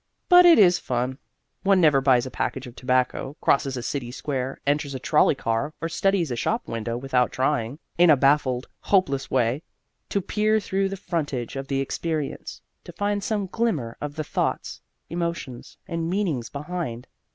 But it is fun. One never buys a package of tobacco, crosses a city square, enters a trolley car or studies a shop window without trying, in a baffled, hopeless way, to peer through the frontage of the experience, to find some glimmer of the thoughts, emotions, and meanings behind.